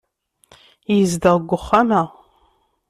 Yezdeɣ deg uxxam-a.